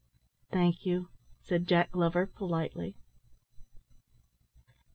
"Thank you," said Jack Glover politely.